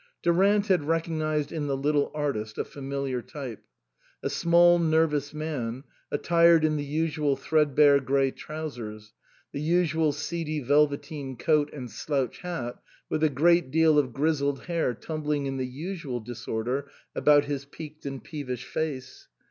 Durant had recognised in the little artist a familiar type. A small, nervous man, attired in the usual threadbare grey trou sers, the usual seedy velveteen coat and slouch hat, with a great deal of grizzled hair tumbling in the usual disorder about his peaked and peevish face.